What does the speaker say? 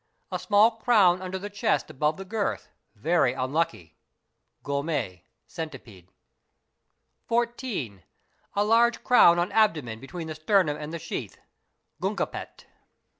A small crown under the chest above the girth, very unlucky, (gome=centipede). 14. A large crown on abdomen between the sternum and the sheath, (gungapet).